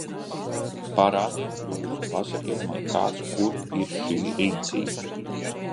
Parādiet, lūdzu, pasakiet man kāds, kur ir šī rīcība!